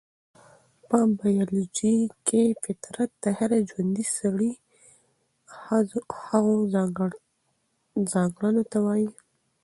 په بيالوژي کې فطرت د هر ژوندي سري هغو ځانګړنو ته وايي،